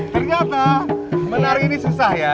ternyata menari ini susah ya